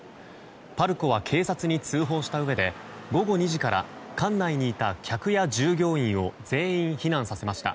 パルコは警察に通報したうえで午後２時から館内にいた客や従業員を全員避難させました。